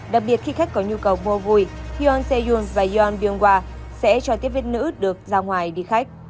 đặc biệt khi khách có nhu cầu mua gùi hyun se yoon và yeon byung hwa sẽ cho tiếp viên nữ được ra ngoài đi khách